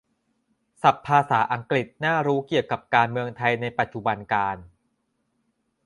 "ศัพท์ภาษาอังกฤษน่ารู้เกี่ยวกับการเมืองไทยในปัจจุบันกาล"